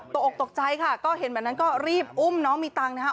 ตกตกใจค่ะเห็นเหมือนนั้นก็รีบอุ้มน้องมีตังค์นะครับ